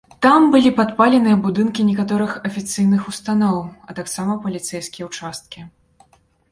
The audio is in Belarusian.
Там былі падпаленыя будынкі некаторых афіцыйных устаноў, а таксама паліцэйскія ўчасткі.